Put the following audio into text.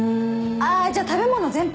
あじゃ食べ物全般。